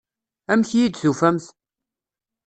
Amek iyi-d-tufamt?